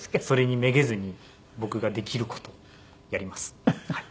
それにめげずに僕ができる事をやります。